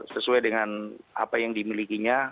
sesuai dengan apa yang dimilikinya